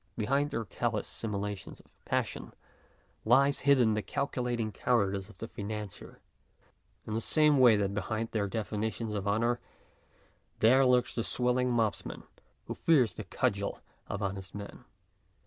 Behind their callous simulations of passion lies hidden the calculating cowardice of the financier in the same way that behind their definitions of honour there lurks the swell mobsman who fears the cudgel of honest men.